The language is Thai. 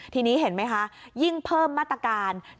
ทีนี้เห็นไหมคะยิ่งเพิ่มมาตรการ